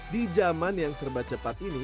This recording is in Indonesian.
di zaman yang serba cepat ini